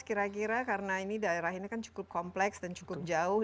kira kira karena ini daerah ini kan cukup kompleks dan cukup jauh